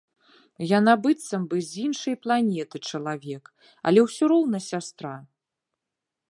Яна быццам бы з іншай планеты чалавек, але ўсё роўна сястра.